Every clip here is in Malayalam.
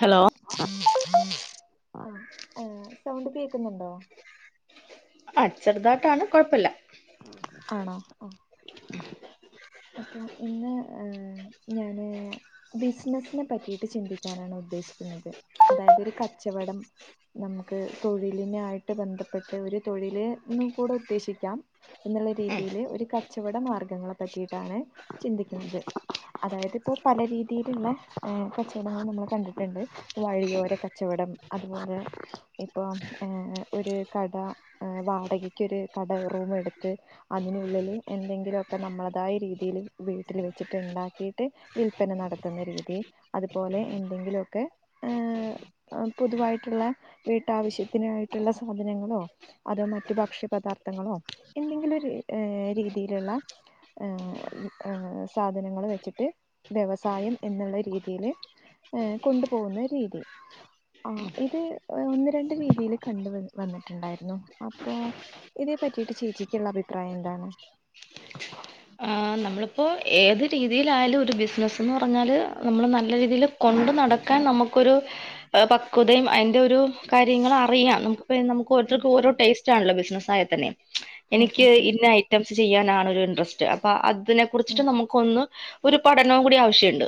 ഹലോ ആഹ് സൗണ്ട് കേക്കുന്നുണ്ടോ? ആഹ് ചെറുതായിട്ടാണ് കൊഴപ്പല്ല. ആണോ ആഹ് അപ്പോ ഇന്ന് ഞാന് ബിസിനസിനെ പറ്റിയിട്ട് ചിന്തിക്കാനാണ് ഉദ്ദേശിക്കുന്നത് അതായത് ഒരു കച്ചവടം നമുക്ക് തൊഴിലിനായിട്ട് ബന്ധപ്പെട്ട് ഒരു തൊഴില് എന്ന് കൂടെ ഉദ്ദേശിക്കാം. എന്നുള്ള ഉം രീതിയില് ഒരു കച്ചവട മാർഗങ്ങളെ പറ്റിയിട്ടാണ് ചിന്തിക്കുന്നത് അതായത് ഇപ്പോ പല രീതിയിലുള്ള കച്ചവടങ്ങൾ നമ്മൾ കണ്ടിട്ടുണ്ട്. വഴിയോര കച്ചവടം അത് പോലെ ഇപ്പോ ഏഹ് ഒരു കട ഏഹ് വാടകയ്ക്ക് ഒരു കട റൂം എടുത്ത് അതിനുള്ളിൽ എന്തെങ്കിലുമൊക്കെ നമ്മ തായ രീതിയിൽ വീട്ടിൽ വെച്ചിട്ട് ഇണ്ടാക്കിയിട്ട് വിൽപന നടത്തുന്ന രീതി അത്പോലെ എന്തെങ്കിലൊക്കെ ഏഹ് പൊതുവായിട്ടുള്ള വീട്ടാവശ്യത്തിനായിട്ടുള്ള സാധനങ്ങളോ അതോ മറ്റു ഭക്ഷ്യപദാർത്ഥങ്ങളോ എന്തെങ്കിലും രീ ഏഹ് രീതിയിലുള്ള ഏഹ് ഏഹ് സാധനങ്ങൾ വെച്ചിട്ട് വ്യവസായം എന്നുള്ള രീതിയില് ഏഹ് കൊണ്ട് പോകുന്ന രീതി. ആഹ് ഇത് ഒന്ന് രണ്ട് രീതിയിൽ കണ്ട് വന്ന് വന്നിട്ടുണ്ടായിരുന്നു അപ്പോ ഇതേ പറ്റീട്ട് ചേച്ചിക്കിള്ള അഭിപ്രായം എന്താണ്? നമ്മളിപ്പോൾ ഏത് രീതിയിലായാലും ഒരു ബിസിനസ്സെന്ന് പറഞ്ഞാല് നമ്മൾ നല്ല രീതിയില് കൊണ്ട് നടക്കാൻ നമുക്കൊരു പക്വതയും അതിന്റെ ഒരു കാര്യങ്ങൾ അറിയാം നമുക്ക് നമുക്ക് ഉം ഓരോത്തർക്കം ഓരോ ടേ സ്റ്റാണല്ലോ ബിസിനസ് ആയാൽ തന്നെ ഉം എനിക്ക് ഉം ഉം ഉം ഇന്ന ഐറ്റംസ് ചെയ്യാനാണ് ഒരു ഇൻട്രസ്റ്റ് അപ്പോ അത് ഉം കുറിച്ചിട്ട് നമുക്കൊന്ന് ഒരു പഠനവും കൂടി ആവശ്യണ്ട്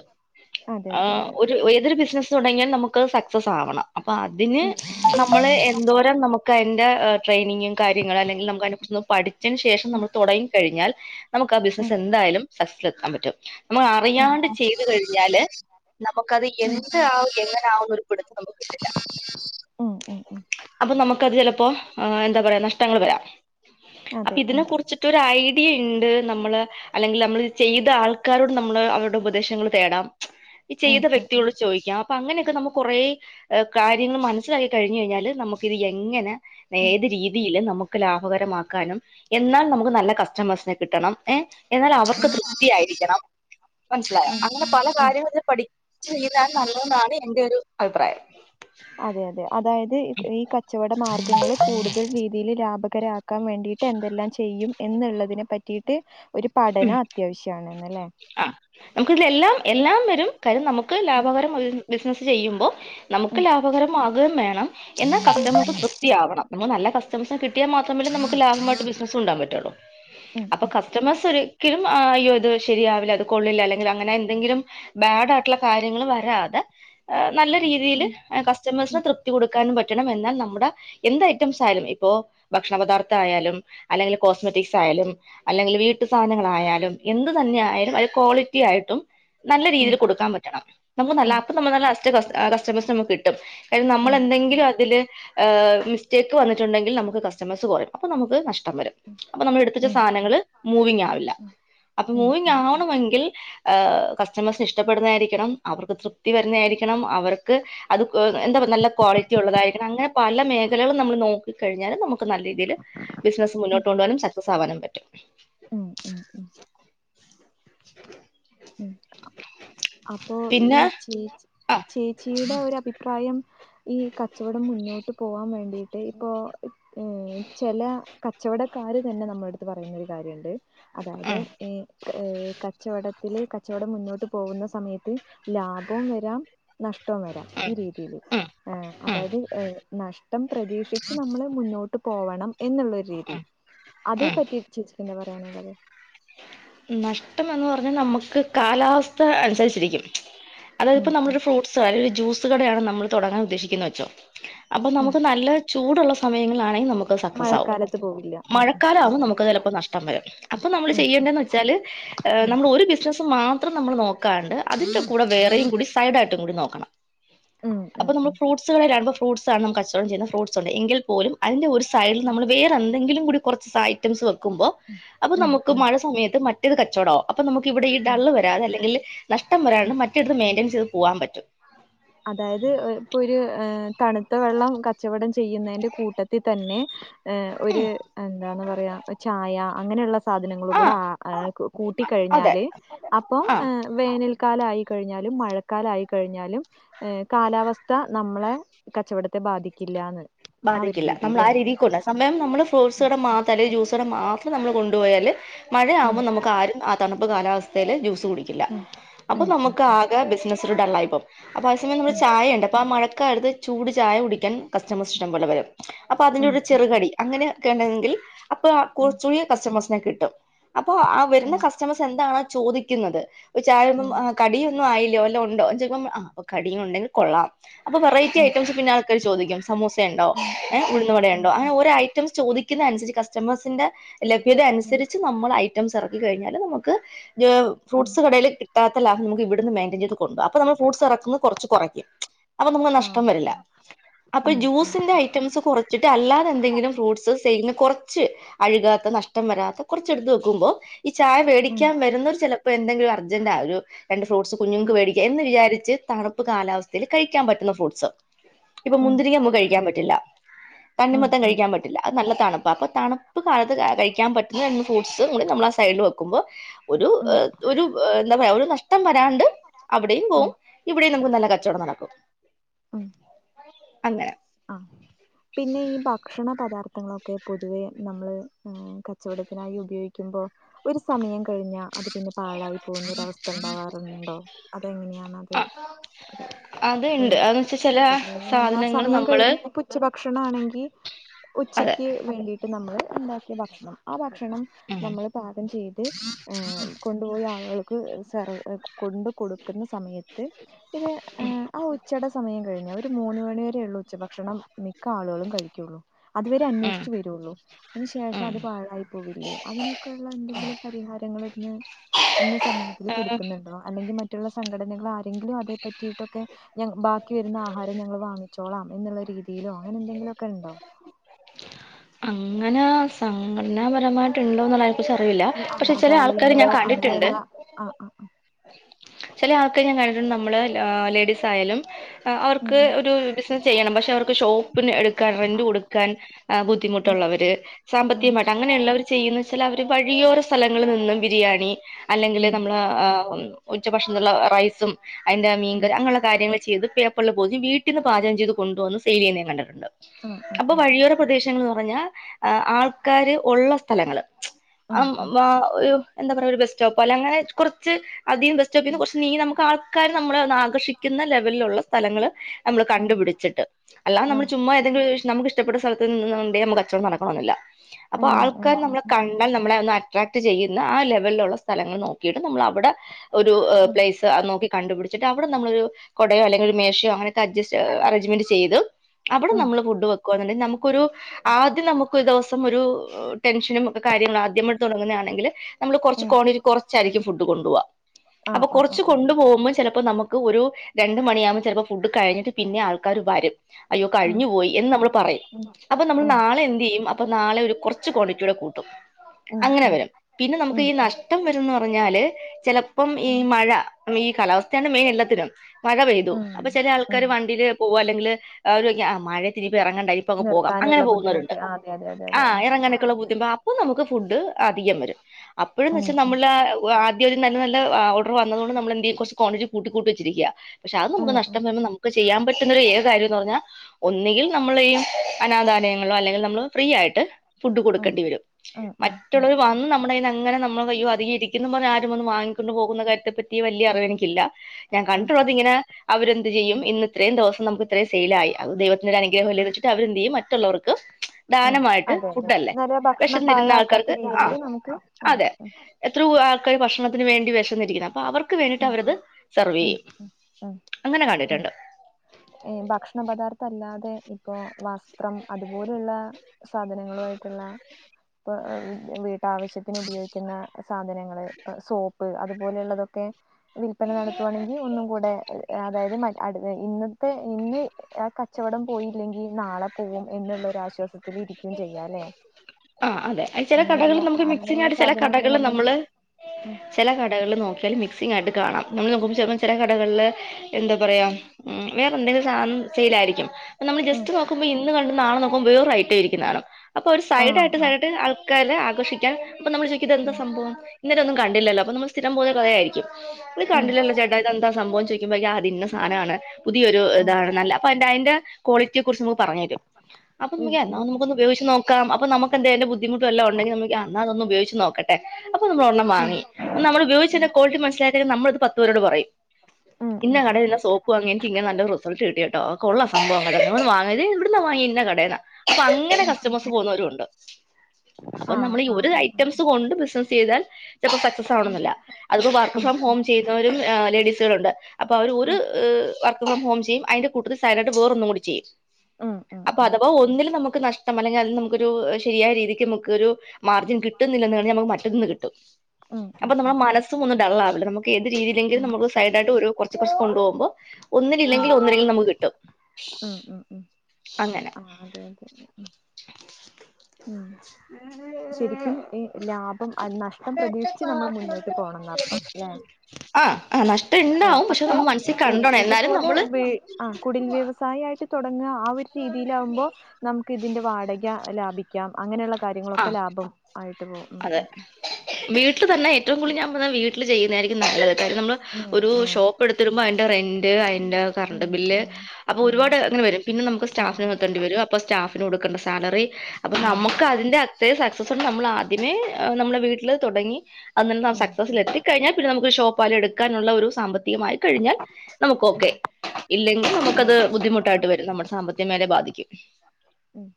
അതെ അതെ ആഹ് അതെ അതെ ഒരു ഏതൊരു ബിസിനസ് തുടങ്ങിയാൽ നമുക്ക് അത് സക്സസ് ആവണം അപ്പോ അതിന് ഉം നമ്മള് എന്തോ രം നമുക്ക് അതിൻ്റെ ട്രെയിനിങ്ങും കാര്യങ്ങളും അല്ലെങ്കിൽ നമുക്ക് അതിനെ കുറിച്ച് പഠിച്ചന് ശേഷം ഉം നമ്മൾ തുടങ്ങി കഴിഞ്ഞാൽ നമുക്ക് ആ ഉം ബിസിനസ്സ് എന്തായാലും സക്സസിൽ എത്താൻ പറ്റും. നമ്മൾ ഉം അറിയാണ്ട് ചെയ്ത് കഴിഞ്ഞാല് നമുക്കത് ഉം എന്ത് ഉം ആവും എന്ന് ആവുന്ന് ഒരു പിടുത്തം നമുക്ക് കിട്ടില്ല. ഓഹ് അപ്പോ നമുക്ക് അത് ചെലപ്പോ എന്താ പറയാ നഷ്ടങ്ങൾ വരാം അപ്പോ അതെ ഇതിനെ ഉം കുറിച്ച് [unintelligible] ഐഡിയ ഇണ്ട് നമ്മള് അല്ലെങ്കിൽ നമ്മള് ചെയ്ത ആൾക്കാരോട് നമ്മള് അവരുടെ ഉപദേശങ്ങൾ തേടാം ഈ ഉം ചെയ്ത ഉം ഉം വ്യക്തിയോട് ചോദിക്കാം അപ്പോ അങ്ങനെയൊക്കെ നമുക്ക് കുറേ കാര്യങ്ങൾ മനസ്സിലായി കഴിഞ്ഞ് കഴിഞ്ഞാല് നമുക്ക് ഇത് എങ്ങനെ ഉം ഏത് രീതിയില് നമുക്ക് ലാഭകരമാക്കാനും എന്നാൽ നമുക്ക് നല്ല കസ്റ്റമേഴ്സിനെ കിട്ടണം ഏഹ് എന്നാൽ അവർക്ക് തൃപ്തിയായിരിക്കണം മനസ്സിലായാ ഉം അങ്ങനെ പല ഉം കാര്യങ്ങള് പഠി ച്ച് ചെയ്താൽ നല്ലെന്നാണ് എന്റെ ഒരു അഭിപ്രായം. അതെ അതെ അതായത് ഈ കച്ചവട മാർഗ്ഗങ്ങൾ കൂടുതൽ രീതിയിൽ ലാഭകര ക്കാൻ വേണ്ടിട്ട് എന്തെല്ലാം ചെയ്യും എന്നുള്ളതിനെ പറ്റിയിട്ട് ഒരു പഠനം അത്യാവശ്യമാണ് എന്നല്ലേ? നമുക്ക് ഇതിലെല്ലാം എല്ലാം വരും കാര്യം നമുക്ക് ലാഭകരം ബിസിനസ്സ് ചെയ്യുമ്പോ നമുക്ക് ഉം ലാഭകരമാകുകയും വേണം എന്നാൽ കസ്റ്റമേഴ്സ് തൃപ്തിയാവണം. നമ്മൾ നല്ല കസ്റ്റമേഴ്‌സ് കിട്ടിയാ മാത്രമേ നമുക്ക് ലാഭമായിട്ട് ബിസിനസ് കൊണ്ടോകാൻ പറ്റുള്ളൂ ഉം അപ്പോ ഉം ക കസ്റ്റമേഴ്‌സ് ഒരിക്കലും ആഹ് അയ്യോ ഇത് ശരിയാവില്ല അത് കൊള്ളില്ല അല്ലെങ്കിൽ അങ്ങനെ എന്തെങ്കിലും ബാഡ് ആയിട്ടുള്ള കാര്യങ്ങൾ വരാതെ നല്ല രീതിയിൽ ഉം കസ്റ്റമേഴ്സിന് ഉം തൃപ്തി ത്തി കൊടുക്കാനും പറ്റണം എന്നാൽ നമ്മുടെ എന്ത് ഐറ്റംസ് ആയാലും ഇപ്പോ ഭക്ഷണ പദാർത്ഥ ആയാലും അല്ലെങ്കിൽ കോസ്മെറ്റിക്സ് ആയാലും അല്ലെങ്കിൽ വീട്ടു സാധനങ്ങളായാലും എന്ത് തന്നെ ആയാലും അത് ക്വാളിറ്റി ആയിട്ടും നല്ല ഉം രീതിയിൽ കൊടുക്കാൻ പറ്റണം നമുക്ക് നല്ല ഉം അപ്പ നമ്മ നല്ല അസ്റ്റ് ആഹ് കസ്റ്റമേഴ്സിനെ നമുക്ക് കിട്ടും നമ്മള് ഉം ഉം ഉം എന്തെങ്കിലും അതില് ഏഹ് മിസ്റ്റേക്ക് വന്നിട്ടുണ്ടെങ്കിൽ നമുക്ക് കസ്റ്റമേഴ്സ് കുറയും അപ്പോ നമുക്ക് നഷ്ടം വരും അപ്പൊ നമ്മൾ എടുത്തച്ച ഉം ഉം ഉം സാധനങ്ങള് മൂവിങ് ആവില്ല അപ്പൊ ഉം ഉം മൂവിങ് ഉം ആവണമെങ്കിൽ ഹ കസ്റ്റമേഴ്സ് ഇഷ്ടപ്പെടുന്നതായിരിക്കണം അവർക്ക് തൃപ്തി വരുന്നതായിരിക്കണം അവർക്ക് അത് ഹ് എന്താ പ നല്ല ക്വാളിറ്റി ഉള്ളതായിരിക്കണം അങ്ങനെ പല മേഖലകളും നമ്മൾ നോക്കി കഴിഞ്ഞാലും നമുക്ക് നല്ല രീതിയില് ബിസിനസ് ഉം മുന്നോട്ട് കൊണ്ട് പോകാനും സക്സസ് ആവാനും പറ്റും ഉം ഉം ഉം [inaudible] ളം അപ്പൊ ഈ പിന്നെ ചേച്ചി ആ ചേച്ചീടെ ഒരു അഭിപ്രായം ഈ കച്ചവടം മുന്നോട്ട് പോവാൻ വേണ്ടിയിട്ട് ഇപ്പൊ ഉം ചെല കച്ചവടക്കാര് തന്നെ നമ്മള അടുത്ത് പറയുന്നൊ രു കാര്യണ്ട് അതായത് ഉം ഏ ഏ കച്ചവടത്തില് കച്ചവടം മുന്നോട്ട് പോകുന്ന സമയത്ത് ലാഭവും വരാം നഷ്ടവും വരാം ഉം ഈ രീതിയില് ഉം അതായത് നഷ്ടം പ്രതീക്ഷിച്ച് നമ്മള് മുന്നോട്ട് പോവണം എന്നുള്ള ഒരു രീതി അതേ ഉം പറ്റി ചേച്ചിക്ക് എന്താ പറയാനുള്ളത് നഷ്ടം എന്ന് പറഞ്ഞാൽ നമുക്ക് കാലാവസ്ഥ അനുസരിച്ചിരിക്കും ഉം അതായത്പ്പോ ഉം നമ്മളൊരു ഫ്രൂട്ട്സ് ട്സോ അല്ല ഒരു ജ്യൂസ് കടയാണ് നമ്മൾ തുടങ്ങാൻ ഉദ്ദേശിക്കുന്ന് വെച്ചോ അപ്പൊ ഉം നമുക്ക് നല്ല ചൂടുള്ള സമയങ്ങളാണെങ്കിൽ നമുക്ക് സക്സസാവും മഴക്കാലത്ത് പോവില്ല ആ മഴക്കാലം ആവു അതെ നമുക്ക് നഷ്ടം വരും അപ്പൊ നമ്മൾ ഉം ചെയ്യേണ്ടന്ന് വച്ച ച്ചാല് നമ്മള് ഒരു ബിസിനസ് മാത്രം മാത്രം നമ്മൾ നോക്കാണ്ട് അതിന്റെ കൂടെ വേറെയും കൂടി സൈഡ് ആയിട്ടും കൂടി നോക്കണം ഉം ഉം അപ്പൾ നമ്മൾ ഫ്രൂട്ട്സ് കടയിൽ ആകുമ്പോൾ ഫ്രൂട്ടസ്സാണ് നമ്മൾ കച്ചവടം ചെയ്യുന്ന എങ്കിൽ പോലും ഫ്രൂട്ടസ് ഉണ്ട് എങ്കിൽ പോലും അതിന്റെ ഒരു സൈഡിൽ നമ്മൾ വേറെ എന്തെങ്കിലും കൂടി കുറച്ച് ഐറ്റംസ് വെക്കുമ്പോ അപ്പൊ ഉം നമുക്ക് ഉം മഴ സമയത്ത് മറ്റേത് കച്ചോടാവും അപ്പം നമുക്ക് ഇവിടെ ഈ ഉം ടള്ള് വരാതെ അല്ലെങ്കിൽ നഷ്ടം ഉം വരാണ്ട് മറ്റടുത് മെയിന്റൻസ് ചെയ്ത് പോവാൻ പറ്റും അതായത് ഇപ്പൊ ഒരു തണുത്ത വെള്ളം കച്ചവടം ചെ ചെയ്യുന്നതിന്റെ കൂട്ടത്തിൽ തന്നെ ഒരു എന്താന്ന് പറയാ ചായ അങ്ങനെയുള്ള സാധനങ്ങളും ആ കൂടാ ആ ഹ് അതെ കൂട്ടിക്കഴിഞ്ഞാല് അപ്പോ ആ ഹ് വേനൽക്കാലയി കഴിഞ്ഞാലും മഴക്കാലയി കഴിഞ്ഞാലും ഏഹ് കാലാവസ്ഥ നമ്മളെ കച്ചവടത്തെ ബാധിക്കില്ലാന്ന് ആ ഒരു ബാധിക്കില്ല നമ്മൾ ആ രീതില്ലേ രീതിക്ക് കൊണ്ട് സമയം നമ്മള് ഉം ഫ്രൂട്ട്സുകട മാത്രം അല്ലെങ്കിൽ ജ്യൂസൂകട മാത്രം നമ്മൾ കൊണ്ടു പോയാൽ ഉം മഴയാകുമ്പോൾ നമുക്ക് ആരും അ തണുപ്പ് കാലാവസ്ഥയില് ജ്യൂസ് കുടിക്കില്ല ഉം അപ്പൊ ഉം നമുക്ക് ഉം ആകെ ബിസിനസ് ഡള്ളാ ഇപ്പം അപ്പൊ ആത് സമയ നമ്മള് ഉം ചായ ഉണ്ട് അപ്പൊ ആ മഴക്കാലത്ത് ചൂട് ചായ കുടിക്കാൻ കസ്റ്റമേഴ്സ്ഷി ഷ്ടം പോലെ വരും അപ്പൊ അതിന്റെ ഉം ഒരു ഉം ഉം ചെറുകടി അങ്ങനെക്കെ ണെങ്കിൽ അപ്പൊ ഉം കുറച്ചൂകൂടി കസ്റ്റമേഴ്സിനെ കിട്ടും അപ്പൊ ആ വരുന്ന ഉം കസ്റ്റമേഴ്സ് എന്താണ് ചോദിക്കുന്നത് ഒരു ചായ ഒന്നും ഉം കടിയൊന്നും ആയില്ലോ വല്ലോ ഉണ്ടോ ച ആ കടിയും ഉണ്ടെങ്കിൽ കൊള്ളാം അപ്പൊ വെറൈറ്റി ഉം ഐറ്റംസ് പിന്നെ ആൾക്കാര് ചോദിക്കും സമൂസ ഇണ്ടോ ഉം ഉം ഉള്ളുന്നവട ഉം ഉണ്ടോ അങ്ങന ഓരോ ഐറ്റംസ് ചോദിക്കുന്നതനുസരിച്ച് കസ്റ്റമേഴ്സിന്റെ ലഭ്യത ഉം അനുസരിച്ച് നമ്മള് ഐറ്റംസ് ഇറക്കി കഴിഞ്ഞാല് നമുക്ക് ഉം ഫ്രൂ്സ് കടയിൽ കിട്ടാത്ത ലാഭം നമുക്ക് ഇവിടുന്ന് മെയിൻറയിൻ ചെയ്ത് കൊണ്ട് പോകാ അപ്പൊ നമ്മ ഫ്രൂട്ട്സ് ഇറക്കുന്നത് കുറച്ച് കൊറയ്ക്കും അപ്പൊ നമു നഷ്ടം ആഹ് വരില്ല ആഹ് അപ്പൊ [unintelligible] ജ്യൂസിന്റെ ഐറ്റംസ് കുറച്ചിട്ട് അല്ലാതെന്തെങ്കിലും ഫ്രൂട്ട്സ് സൈഡിന് കുറച്ച് അഴുകാത്ത നഷ്ടം വരാത്ത കുറച്ച് എടുത്ത് വെക്കുമ്പോ ഈ ചായ ഉം ഉം വേടിക്കാൻ വരുന്നോര് ചിലപ്പോ എന്തെങ്കിലും അർജന്റാ ഒരു രണ്ട് ഫ്രൂട്ട്സ് ഉം കുഞ്ഞുങ്ങൾക്ക് വേടി എന്ന് വിചാരിച്ച് തണുപ്പ് കാലാവസ്ഥയിൽ കഴിക്കാൻ പറ്റുന്ന ഫ്രൂട്ട്സ് ഇപ്പൊ ഉം മുന്തിരിങ്ങ നമുക്ക് കഴിക്കാൻ പറ്റു റ്റില്ല ഉം തണ്ണിമത്തൻ ഉം കഴിക്കാൻ പറ്റില്ല നല്ല തണുപ്പാ അപ്പൊ തണുപ്പ് കാലത്ത് കഴിക്കാൻ പറ്റു ഈ രണ്ട് ഫ്രൂട്ട്സ് കൂടി നമ്മളാ സൈഡിൽ വെക്കുമ്പോൾ ഒരു ഉം ഒരു ഹ് എന്താ പറയാ ഒരു നഷ്ടം വരാണ്ട് അവിടെയും പോവും ഉം ഇവിടെയും നമുക്ക് നല്ല കച്ചവടം നടക്കും ഉം അന്നെ ആഹ് പിന്നെ ഈ ഭക്ഷണ പദാർത്ഥങ്ങളൊക്കെ പൊതുവെ നമ്മള് ഉം കച്ചവടത്തിനായി ഉപയോഗിക്കുമ്പോ ഒരു സമയം ക കഴിഞ്ഞാ അത് പിന്നെ പാഴായി പോകുന്ന ഒരവസ്ഥ ഉണ്ടാവാറുണ്ടോ അതെങ്ങനെയാണത് അതെ അത് ഈ ഇണ്ട് അത് നെച്ചാ ചെല സാധനങ്ങൾ നമ് ഇപ്പൊ ഉച്ച ഭക്ഷണ ആണെങ്കി അതെ ഉച്ചക്ക് വേണ്ടി ട്ട് നമ്മള് ഉണ്ടാക്കിയ ഭക്ഷണാ. ആ ഭക്ഷണം ഉം നമ്മൾ പാകം ചെയ്ത് ഏ കൊണ്ടുപോയി ആളുകൾക്ക് സർവ് കൊണ്ടു കൊടുക്കുന്ന സമയത്ത് ഇത് ആ ഉച്ചേടെ സമയം കഴിഞ്ഞ് ഒരു മൂന്ന് മണി രെള്ളൂ ഉച്ച ഭക്ഷണം മിക്ക ആളുകളും കഴിക്കൊള്ളൂ അതുവരെ ഉം അന്വേഷിച്ച് വരൊള്ളൂ അതിന് ശേഷം ഉം അത് പാഴായി പോവില്ലേ അതിനൊക്കെയുള്ള എന്തെങ്കിലും പരിഹാരങ്ങളിന്ന് ഇന്ന് സമൂഹത്തിൽ കൊടുക്കുന്നുണ്ടോ അല്ലെങ്കിൽ മറ്റുള്ള സംഘ ടനകൾ ആരെങ്കിലും അതേ പറ്റിയിട്ടൊക്കെ ഞങ് ബാക്കി വരുന്ന ആഹാരം ഞങ്ങൾ വാങ്ങിച്ചോളാം എന്നുള്ള രീതിയിലൊ അങ്ങനെ എന്തെങ്കിലും ഒക്കെ ഇണ്ടോ? അങ്ങനെ സംഘടനാപരമായിട്ടുണ്ടോ എന്നുള്ള ച്ചറിവില്ല ഈ പക്ഷെ ചില ആൾക്കാര് അനാഥാലയങ്ങള് ഞാൻ കണ്ടിട്ടുണ്ട് അങ്ങനെയുള്ള ആ ആ ചില ആൾക്കാരെ ഞാൻ കണ്ടിട്ടുണ്ട് നമ്മള് ഏ ലേഡീസ് ആയാലും ഉം അവർക്ക് ഒരു ബിസിനസ്സ് ചെയ്യണം, പക്ഷെ അവർക്ക് ഷോപ്പിന് എടുക്കാൻ റെന്റ് കൊടുക്കാൻ ആ ഉം ബുദ്ധിമുട്ടുള്ളവര് ഉം സാമ്പത്തികമായിട്ട് അങ്ങനെയുള്ളവര് ചെയ്യന്ന വെച്ചാല് അവര് വഴിയോര സ്ഥലങ്ങളിൽ നിന്നും ബിരിയാണി അല്ലെങ്കിൽ ഉം നമ്മള് ഉച്ചഭക്ഷണത്തി നുള്ള റൈസും അതിന്റെ മീൻ ഉം കറി അങ്ങയുള്ള കാര്യങ്ങള് ചെയത് പേപ്പറിൽ പൊതിഞ്ഞ് വീട്ടീന്ന് പാചകം ചെയ്ത് കൊണ്ടു വന്ന് സൈല് ചെയ്യുന്നത് ഞാൻ കണ്ടിട്ടുണ്ട് ഉം ഉം അപ്പൊ ഉം വഴിയോര പ്രദേശങ്ങള്ന്ന് പറഞ്ഞാൽ ആൾക്കാര് ഉള്ള സ്ഥലങ്ങള് ഉം ഉം ആഹ് വാ എന്താ പറയാ ഒരു ബസ്റ്റോപ്പോ അല്ല അങ്ങനെ കൊറച്ച് അധികം ബെസ്റ്റോപ്പിന്ന് കുറച്ച് നീങ്ങി നമുക്ക് ആൾക്കാർ നമ്മളെ ആകർഷിക്കുന്ന ലെവലിലുള്ള സ്ഥലങ്ങള് നമ്മള് ഉം കണ്ടു പിടിച്ചിട്ട് അല്ലാ ഉം നമ്മള് ഉം ചുമ്മാ ഏതെങ്കിലുംഒരി ഇഷ്ട്ടപ്പെട്ട സ്ഥലത് ത്ത് നിന്നോണ്ട് നമുക്ക് കച്ചോടം നടക്കണോന്നില്ല. അപ്പോ ആൾക്കാർ നമ്മളെ കണ് ണ്ടാൽ നമ്മളെ അട്രാക്ട് ചെയ്യുന്ന ആ ലെവലിലുള്ള സ്ഥലങ്ങൾ നോക്കിയിട്ട് നമ്മളവിടെ ഒരു ഉം ഉം പ്ലേസ് അത് നോക്കി കണ്ടു പിടിച്ചിട്ട് അവിടെ നമ്മളൊരു കൊടയോ അല്ലെങ്കി ഒരു മേശയോ അങ്ങനെക്കെ അഡ്ജസ്റ് അറേഞ്ച്മെന്റ് ചെയ്ത് അവിടെ ഉം നമ്മള് ഫുഡ്‌ വെക്കുവാന്നുണ്ടെകിൽ നമുക്ക് ക്കൊരു ആദ്യം നമുക്ക് ഒരു ദിവസം ഒരു ടെൻഷനുംഒക്കെ കാര്യങ്ങളും ആദ്യമായി തുടങ്ങുന്നയാണെങ്കിൽ നമ്മള് കുറച്ച് ഉം കോണിൽ കൊറച്ചായിരിക്കും ഫുഡ് കൊണ്ടുവാ ആ അപ്പൊ ആ കൊറച് ആ ച്ച് ഉം കൊണ്ടു പോവുമ്പോ ചിലപ്പോ നമുക്ക് ഒരു രണ്ട് മണിയാകുമ്പോ ചിലപ്പോ ഫുഡ് കഴിഞ്ഞിട്ട് പിന്നെ ആൾക്കാര് വരും അയ്യോ ഉം കഴിഞ്ഞു പോയി എന്ന് നമ്മൾ പറയും അപ്പൊ നമ്മൾ ഉം നാളെ എന്ത് ചെയ്യും അപ്പൊ നാളെ ഒരു കൊറച്ച് ക്വാണ്ടിറ്റിയൂ ടെ കൂട്ടും ഉം ഉം അങ്ങനെ ഉം വരും പിന്നെ നമുക്ക് ഉം ഈ നഷ് ട്ടം വരുന്ന് പറഞ്ഞാല് ചിലപ്പം ഈ ഉം മഴ ഈ കാലാവസ്ഥയാണ് മെയിൻ എല്ലാത്തിനും മഴ പെയ്തു ഉം അപ്പൊ ചില ആൾക്കാര് ഉം വണ്ടിയില് പോവാ അല്ലെങ്കിൽ ചോയിക്ക ഒരു മഴ ഇനിപ്പോ പ് ഇറങ്ങണ്ടേ യിനിപ്പൊ പോകാം അങ്ങനെ നിർത്താനുള്ള പോകുന്നവരുണ്ട് ബുദ്ധിമുട്ട് ആ അതെ അതെ അതെ അതെ ആഹ് ഇറങ്ങാനൊക്കെള്ള ബുദ്ധിമ അപ്പ നമുക്ക് ഫുഡ് അധികം വരും അപ്പോഴന്ന് ഉം വെച്ചാൽ ഉം നമ്മള് ആ ക്ക് നല്ല നല്ല ഓർഡർ വന്നത്കൊണ്ട് നമ്മൾ എന്തെയ്യും കുറച്ച് ക്വാണ്ടിറ്റി കൂട്ടി കൂട്ടി വച്ചിരിക്കാ പക്ഷെ അത് ഉം നമുക്ക് ഉം നഷ്ടം വര്ന്നത് നമുക്ക് ചെയ്യാൻ പറ്റുന്ന ഒരു ഏക കാര്യംന്ന് പറഞ്ഞാ ഒന്നുങ്കിൽ നമ്മളെയും അനാഥാലയങ്ങളോ അല്ലെങ്കിൽ നമ്മള് ഫ്രീ ആയിട്ട് ഫുഡ് ഉം കൊടുക്കണ്ടി വരും ഉം ഉം ഉം ഉം മറ്റുള്ളവർ വന്ന് നമ്മുടെങ്ങനെ നമ്മ അയ്യോ അതികഇരിക്കുന്നു പറഞ്ഞ് ആരും വന്ന് വാങ്ങിക്കൊണ്ട് പോകുന്ന കാര്യത്തെ പറ്റി വല്ല്യ ഉം അറിവ് എനിക്കില്ല. ഞാൻ ഉം കണ്ടിട്ടുള്ളത് ഇങ്ങനെ അവര്ന്ത് ചെയ്യും ഉം ഇന്ന് ഇത്രയും ദിവസം നമുക്ക് ത്രയും സെയിലായി ദൈവത്തിന്റെ അനുഗ്രഹംല്ലേന്ന് വെച്ചിട്ട് അവരെന്ത്യ്യും മറ്റുള്ളവർക്ക് ഉം ദാനമായിട്ട് അതെ അതെ ഫുഡ് അല്ലേ എന്നാല് ഭക്ഷണം വിഷന്നിരുന്ന ആൾക്കാർക്ക് പാഴാക്കാത്ത രീതിയില് ആഹ് നമുക്ക് ആ അതെ ഉം ഉം എത്രൊ ആൾക്കാര് ഭക്ഷണത്തിന് വേണ്ടി വിശന്നിരിക്കുന്നത് അപ്പൊ അവർ ക്ക് വേണ്ടിട്ട് ഉം അവര്ത് ഉം സെർവ്യ്യും ഉം അങ്ങനെ കണ്ടിട്ടുണ്ട് ഏഹ് ഭക്ഷണപദാർത്ഥല്ലാതെ ഇപ്പോ വസ്ത്രം അതുപോലേള്ള സാധനങ്ങളുമാട്ടുള്ള ഇപ്പ ഏഹ് വീട്ടാവശ്യത്തിന് ഉപയോഗിക്കുന്ന സാധനങ്ങള്, ഏഹ് സോപ്പ് അതുപോലെയുള്ളത് ക്കെ വിൽപ്പന നടത്തുവാണെങ്കിൽ ഒന്നുംകൂടെ. ഏഹ്. അതായത് മാ ഇന്ന് ത്തെ ഇന്ന് ആ കച്ചവടം പോയില്ലെങ്കി നാളെ പോവും എന്നുള്ളരു ആശ്വാസ ത്തിലിരിക്കും ചെയ്യാലേ ആഹ് അതെ. ആഹ് ചെല കടകൾ നമുക്ക് മിക്സിങ് അങ്ങനെയുള്ള ആയിട്ട് ചെല സാധനങ്ങൾ കടകള് നമ്മൾ നമ്മള് സ- ഉം ചെല കടകള് നോക്കിയാൽ മിക്സിങ്ങ് ആയിട്ട് കാണാം. നമ്മൾ നോക്കുമ്പോ ചെൽപം ചെല കടകൾല് എന്താ പറയാ ഉം വേറെ എന്തേലും സാനം സെയിലായിരിക്കും ഇപ്പ നമ്മള് ഉം ജസ്റ്റ് നോക്കുമ്പോ ഇന്ന് കണ്ട് നാളെ നോക്കുമ്പോ വേറൊരയിറ്റയിരിക്കും കാണ്വാ. അപ്പോ ഒരു ആഹ് സൈഡായിട്ട് ആഹ് സൈഡായിട്ട് ആള് ക്കാരെ ആകർഷിക്കാൻ ഇപ്പ നമ്മൾ ചോയിക്കും ഇത് എന്താ ഉം സംഭവം. ഇന്നലെ ഒന്നും കണ്ടില്ലല്ലോ. അപ്പോ നമ്മൾ സ്ഥിരം പോയ കടയായിരിക്കും. ഇത് ഉം കണ്ടിലല്ലോ ചേട്ടാ? ഇത് എന്താ സംഭവം? ചോയിക്കുമ്പക്കും അത് ഇന്ന സാനാണ് പുതിയൊരു ഉം ഇതാണ് നല്ല അപ്പ അയ്‌ന്റെ അയിന്റെ ക്വാളിറ്റിയെ കുറിച്ച് നമുക്ക് പറഞ്ഞരും. ഉം അപ്പൊമ്മക്ക് ഉം ഒന്ന് ഉപയോഗ്ച്ച് നോക്കാം. അപ്പ നമുക്ക് എന്തേല അതിന്റെ ബുദ്ധിമുട്ട് വല്ലോം ഒണ്ടെങ്കി നമുക്കേ ഇന്നാ അതൊന്ന് ഉപയോഗിച്ച് നോക്കട്ടെ അപ്പ നമ്മള് ഒരണ്ണം ഉം വാങ്ങി നമ്മള് ഉപയോഗിച്ചതിന്റെ ഉം ക്വാളിറ്റി മനസിലായിട്ട് നമ്മളത് പത്ത് പേരോട് പറയും ഉം ഇന്ന ഉം ഉം കടയില്ള്ള സോപ് പ് വാങ്ങിയേണ്ച്ചിയ നല്ല റിസട്ട് കിട്ടി കേട്ടോ. കൊള്ളാം സംഭവം കേട്ടോ. ഏഹ് എവിടുന്നാ വാങ്ങ്യേ? ഇന്ന കടേന്നാ. അപ്പ അങ്ങനെ ഉം കസ്റ്റമേഴ്സ് ഉം പോവുന്നവരുണ്ട് അപ്പ ആഹ് നമ്മള് ഈ ഒരു ആഹ് ഐറ്റംസ് കൊണ്ട് ബിസിനസ് ചെയ്താൽ ചെലപ്പോ സക്സസ് സാവണോന്നുല്ല. അത്പ്പം വർക്ക് ഉം ഫ്രം ഉം ഹോം ചെയ്യുന്നവരും ലേഡീസുകളുണ്ട്. അപ്പ അവര് ഒര് ഏഹ് വർക്ക് ഫ്രം ഹോം ചെയ്യും. അതിന്റെ കൂട്ടത്തില് സയിടായിട്ട് വേറെന്നും കൂടി ചെയ്യും. ഉം ഉം ഉം അപ്പ അഥവാ ഉം ഒന്നിൽ [unintelligible] അല്ലെങ്കിൽ അതിൽ നമുക്കൊരു ശരിയായ രീതിക്ക് നമുക്കൊരു മാർജിൻ കിട്ടുന്നില്ലന്ന് കഴിഞ്ഞാൽ നമുക്ക് മറ്റൊനിന്ന് കിട്ടും. ഉം ഉം ഉം ഉം അപ്പ നമ്മുടെ മനസ്സും ഒന്നും ഡള്ളാവില്ല. നമുക്ക് ഏത് രീതിയിലെങ്കിലും നമുക്ക് സൈഡായിട്ട് ഒരു കൊർ ച്ച് കൊർച്ച് കൊണ്ടു പോവുമ്പോ ഉം ഒന്നിലില്ലെങ്കിൽ ഒന്നിലെങ്കിലും നമുക്ക് കിട്ടും ഉം ഉം ഉം അങ്ങനെ ആഹ് അതെ അതെ ഉം ഉം ഉ ശരിക്കും ഈ കാ് ലാഭം നഷ്ടം [inaudible] പ്രതീക്ഷിച്ച് ഉം [inaudible] ഏഹ് പക്ഷേ മനസ്സിൽ ഈ കണ്ടോണം എന്നാലും ഇതുപോലെ നമ്മള് ബി ആഹ് കുടിൽ വ്യവസായായിട്ട് തൊടങ്ങാ ആ ഒരു രീതിയിലാവുമ്പോ നമുക്ക് ഇതിന്റെ വാടക ലാഭി ക്കാം അങ്ങനെയ്ള്ള കാര്യങ്ങളൊക്കെ ലാഭം ആയിട്ട് പോകുന്നു വീട്ട്ല് തന്നെ. ഏറ്റവും കൂടുതൽ ഞാൻ പറഞ്ഞ വീട്ടില് ചെയ്യുന്നായിരിക്കും നല്ലത്. കാര്യം നമ്മള് ഉം ഒരു ഉം ഷോ പ്പെടുത്തടുമ്പോ അയിന്റെ റെൻ ന്റ് അയിന്റെ കറണ്ട് ഉം ഉം ബില്ല്. അപ്പ ഉം ഉം ഒരുപാട് ങ്ങനെ വരും. പിന്നെ നമുക്ക് സ്റ്റാഫിനെ ആഹ് നിർത്തണ്ടി വരും സ്റ്റാഫിന് കൊടുക്കണ്ട സാലറി. അപ്പ ഉം നമ്മുക്ക് അതിന്റെ പ്രത്യേക സക്സസോണ്ട് നമ്മള് ആദ്യമേ ഏഹ് നമ്മടെ വീട്ടില് തൊടങ്ങി അത് നിന്നും ഉം ഉം സക്സസ്സിലെത്തി കഴിഞ്ഞാ പിന്ന നമുക്ക് ഷോപ്പായില് എടുക്കാനുള്ള ഒരു സാമ്പ മായി കഴിഞ്ഞാൽ നമുക്ക് ഓക്കെ. ഉം ഇല്ലെങ്കിൽ നമുക്കത് ആഹ് ആഹ് ബുദ്ധിമുട്ടായിട്ട് വരും. നമ്മടെ സാമ്പത്തികമേഖലേ ബാധിക്കും. ഉം